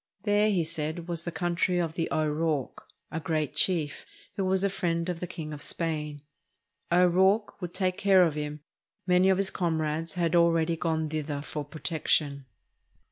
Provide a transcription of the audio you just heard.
There, he said, was the country of the O'Rourke, a great chief, who was a friend of the King of Spain. O'Rourke would take care of him; many of his comrades had already gone thither for protection.